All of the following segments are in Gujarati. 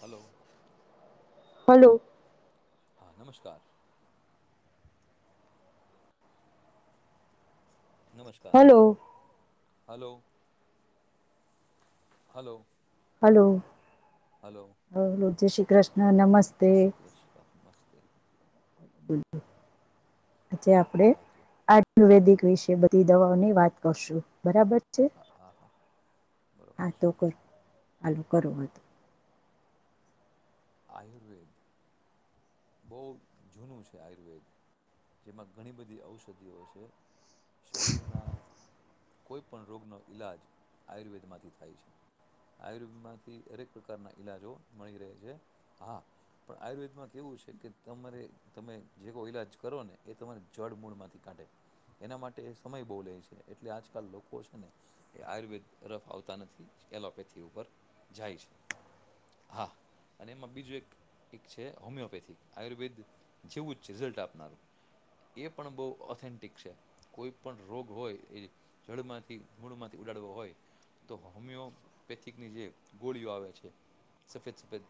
હલો. હલો. હા નમસ્કાર. નમસ્કાર હલો. હલો. હલો. હમ્મ. જય શ્રી કૃષ્ણ. [inaudible] બિલકલ. આજે આપડે આય્યુર્વેદિક વિશે બધી દવાઓની વાત કરશું બરાબર. હા તો કર. [unintelligible] [inaudible] શરીરના કોઈપણ રોગનો ઈલાજ આયુર્વેદમાંથી થાય છે. આયુર્વેદમાંથી દરેક પ્રકારના ઈલાજો મળી રહે છે. હા પણ આયુર્વેદમાં કેવું છે કે, તમારે તમે જે કોઈ ઈલાજ કરો ને એ તમા જડ મૂળ માંથી કાઢે. એના માટે સમય બહ લે છે. એટલે આજકાલ લોકો છે ને, એ આયુર્વેદ તરફ આવતા નથી. એલોપેથી ઉપર જાય છે. હા અને એમાં બીજું એક એક છે હોમિયોપેથિક. આયુર્વેદ જેવું જ રિઝલ્ટ આપનારું એ પણ બહુ ઓથેન્ટિક છે. કોઈ પણ રોગજો હોય એ જળમાંથી મૂળમાંથી ઉડાડવો હોય તો હોમિયોપેથિકની જે ગોળીઓ આવે છે સફેદ સફેદ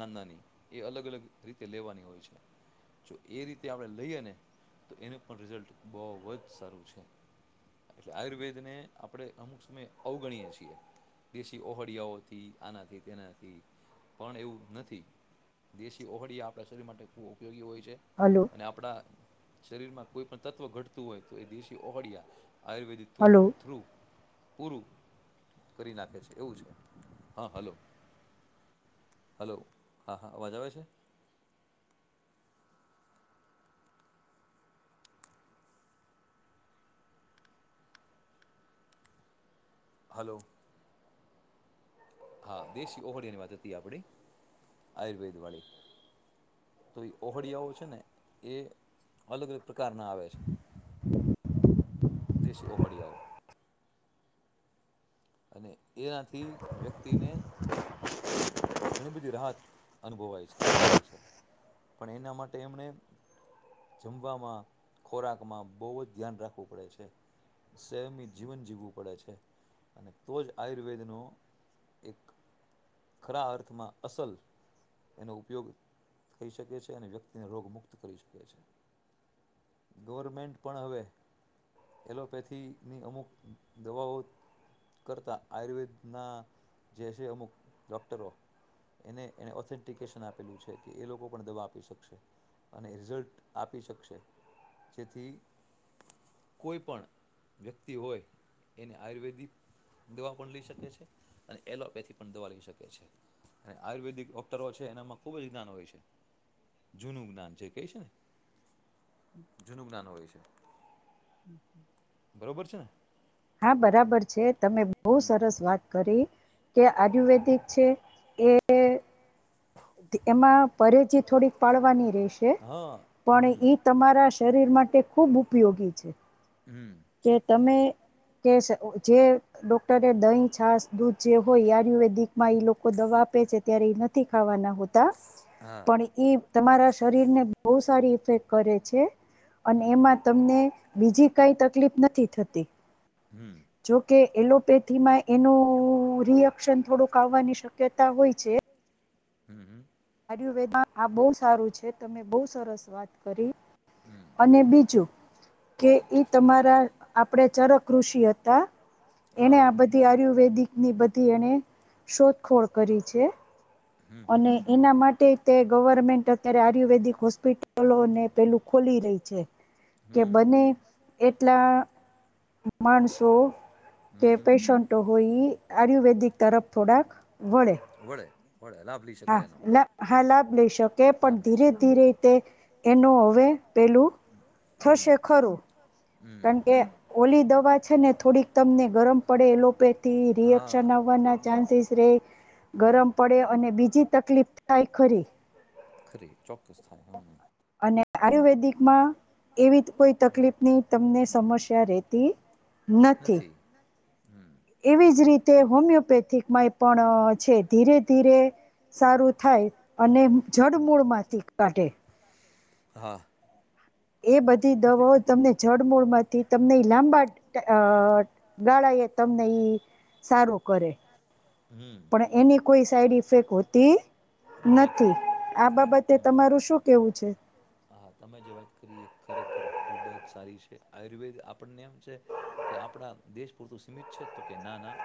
ના નાની એ અલગ અલગ રીતે લેવાની હોય છે. જો એ રીતે આપણે લઈએ ને તો એનું પણ રિઝલ્ટ બહુ જ સારું છે એટલે આયુર્વેદ ને આપણે અમુક સમય અવગણીય છીએ દેશી ઓહળિયાઓથી આનાથી તેનાથી પણ એવું નથી દેશી ઓહળી આપણા શરીર માટે ખૂબ ઉપયોગી હોય. છે અને અને આપડા શરીર માં કોઈ પણ તત્વ ઘટતું હોય, તો એ દેશી ઓહળિયા આયુર્વેદિક થુ થ્રુ પૂરું કરી નાખે છે એવું છે હા હલો. હલો હા હા અવાજ આવે છે? હલો. હા દેશી ઓહોળિયા ની વાત હતી આપડી. આયુર્વેદ વાળી તો એ ઓહોળિયાઓ છે ને એ અલગ અલગ પ્રકારના આવે છે દેશી ઓહોડિયાઓ. અને એનાથી વ્યક્તિને ઘણી બધી રાહત અનુભવાય છે થઈ જાય છે પણ એના માટે એમણે જમવામાં ખોરાકમાં બહુ જ ધ્યાન રાખવું પડે છે સ્યમી જીવન જીવવું પડે છે. અને તો જ આયુર્વેદનો એક ખરા અર્થમાં અસલ એનો ઉપયોગ થઈ શકે છે. અને વ્યક્તિને રોગ મુક્ત કરી શકે છે ગવર્મેન્ટ પણ હવે એલોપેથીની અમુક દવાઓ કરતા આયુર્વેદના જે છે અમુક ડૉક્ટરો એને એને ઓથેન્ટિકેશન આપેલું છે કે. એ લોકો પણ દવા આપી શકશે અને રિઝલ્ટ આપી શકશે જેથી કોઈ પણ વ્યક્તિ હોય એને આયુર્વેદિક દવા પણ લઈ શકે છે અને એલોપેથી પણ દવા લઈ શકે. છે અને આયુર્વેદિક ડોકટરો છે એનામાં ખુબ જ જ્ઞાન હોય છે જૂનું જ્ઞાન છે કે છે ને. જૂનું જ્ઞાન હોય છે. [inaudible] બરોબર છે ને. હા બરાબર છે તમે બહુ સરસ વાત કરી. કે આયુર્વેદિક છે એ એમાં પરેજી થોડીક પાળવાની રહેશે પણ ઈ તમારા શરીર માટે ખૂબ ઉપયોગી છે. હું. કે. તમે કે શે જે ડોક્ટરે દહીં છાસ દૂધ જે હોય આયુર્વેદિક માં ઈ લોકો દવા આપે છે ત્યારે એ નથી ખાવાના હોતા પણ એ તમારા શરીર ને બહુ સારી ઇફેક્ટ કરે છે. અને એમાં તમને બીજી કઈ તકલીફ નથી થતી જોકે એલોપેથીમાં એનું રિએક્શન થોડુંક આવવાની શક્યતા હોય છે. [inaudible] આયુર્વેદમાં આ બહુ સારું છે તમે બહુ સરસ વાત કરી અને બીજું કે ઈ તમારા આપણે ચરક ઋષિ હતા એને આ બધી આયુર્વેદિકની બધી એને શોધખોળ કરી છે. અને એના માટે તે ગવર્મેન્ટ અત્યારે આયુર્વેદિક હોસ્પિટલોને પેલું ખોલી રહી કે બને એટલા માણસો કે પેશન્ટો હોય ઈ આયુર્વેદિક તરફ થોડાક વળે હા લા હા લાભ લઈ શકે પણ ધીરે ધીરે તે એનું હવે પેલુ થશે ખરૂં કેમ કે ઓલી દવા છે ને થોડીક તમને ગરમ પડે એલોપેથી રિએક્શન આવવાના ચાન્સીસ રે ગરમ પડે અને બીજી તકલીફ થાય ખરી ખરી ચોક્કસ થાય હમ આયુર્વેદિકમાં એવી કોઈ તકલીફની તમને સમસ્યા રહેતી નથી એવી જ રી તે હોમિયોપેથિક માંય પણ છે ધીરે ધીરે સારૂ થાય અને જડમૂળ માંથી કાઢે હા એ બધી દવાઓ તમને જડમૂળ માંથી તમને લાંબા અ ગાળા એ તમને ઈ સારું કરે પણ એની કોઈ સાઈડ ઇફેક્ટ હોતી નથી આ બાબતે તમારું શું કેવું છે. ખરેખર ખૂબ જ સારી છે આયુર્વેદ આપણને છે કે આપણા દેશ પૂરતું સીમિત છે જ તો કે ના ના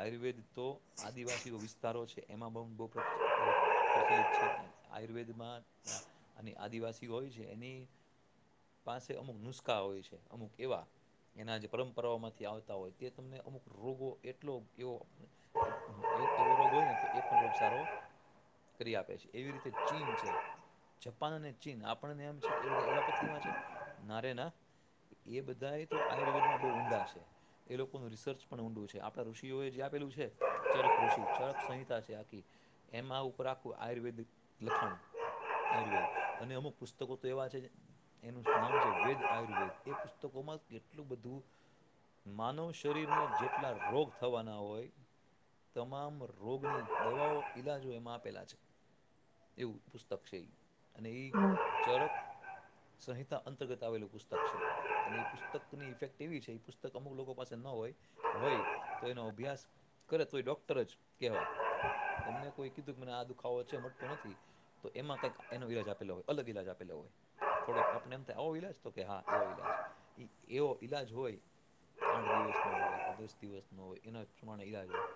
આયુર્વેદ તો આદિવાસીઓ વિસ્તારો જ એમાં બઉ બઉ પ્રચલિત છે આયુર્વેદમાં અને આદિવાસી હોય જેની પાસે અમુક નુસ્ખા હોય છે અમુક એવા એના જે પરંપરાઓમાંથી આવતા હોય કે તમને અમુક રોગો એટલો એવો એવો રોગ હોય ને એ પણ રોગ સારો કરી આપે છે એવી રીતે ચીન છે જપાન અને ચીન આપણને એમ છે કે એ બધા એલોપથીમાં છે નારેના એ બધા એ તો આયુર્વેદમાં બહુ ઊંડા છે એ લોકોનું રિસર્ચ પણ ઊંડું છે આપનાં ઋષિઓ જે આપેલું છે ચરક ઋષિ ચરક સંહિતા એર આખું આયુર્વેદિક લખાણું આયુર્વેદ અને અમુક પુસ્તકો તો એવા છે એનું નામ છે વેદ આયુર્વેદ એ પુસ્તકોમાં કેટલું બધું માનવ શરીરને જેટલા રોગ થવાના હોય તમામ રોગની દવાઓ ઈલાજ હો એમાં આપેલા છે એવું પુસ્તક છે અને એ ચરક સંહિતા અંતર્ગત આવેલું પુસ્તક છે અને એ પુસ્તકની ઇફેક્ટ એવી છે એ પુસ્તક અમુક લોકો પાસે ન હોય હોય તો એનો અભ્યાસ કરે તો એ ડોક્ટર જ કહેવાય તમને કોઈ કીધું કે મને આ દુખાવો છે મળતો નથી તો એમાં કઈક એનો ઈલાજ આપેલો હોય અલગ ઈલાજ આપેલો હોય થોડોક આપને એમ થાય આવો ઈલાજ તો કે હા એવો ઈલાજ એવો ઈલાજ હોય આઠ દિવસ નો હોય દસ દિવસ નો હોય એના પ્રમાણે ઈલાજ હોય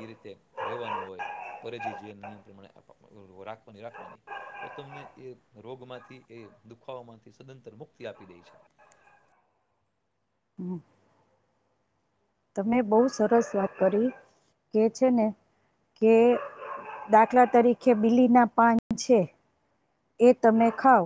એ રીતે રહેવાનું હોય પરજી જે નિયમ પ્રમાણે રાખવાની રાખવાની તો તમને એ રોગ માંથી એ દુખાવામાંથી સદંતર મુક્તિ આપી દે છે. [inaudible] તમે બહુ સરસ વાત કરી કે છે ને કે દાખલા તરીકે બીલી ના પાન છે એ તમે ખાવ